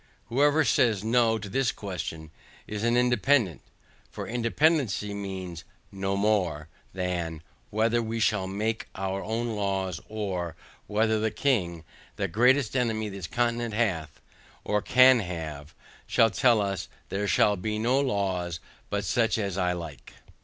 Whoever says NO to this question is an INDEPENDANT, for independancy means no more, than, whether we shall make our own laws, or, whether the king, the greatest enemy this continent hath, or can have, shall tell us, "THERE SHALL BE NO LAWS BUT SUCH AS I LIKE."